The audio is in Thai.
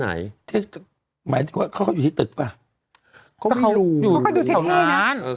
ไหนที่หมายถึงว่าเขาเข้าอยู่ที่ตึกป่ะก็ไม่รู้เขาไปดูแถวงานเออ